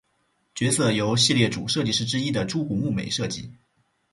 角色由系列主设计师之一的猪股睦美设计。